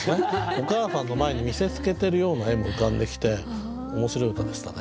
お母さんの前に見せつけてるような絵も浮かんできて面白い歌でしたね。